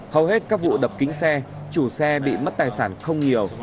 hầu hết các vụ đập kính xe chủ xe bị mất tài sản không nhiều